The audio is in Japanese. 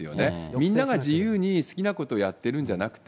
みんなが自由に、好きなことをやってるんじゃなくて、